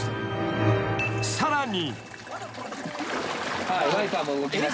［さらに］